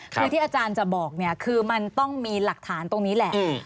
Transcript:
คือที่อาจารย์จะบอกเนี่ยคือมันต้องมีหลักฐานตรงนี้แหละ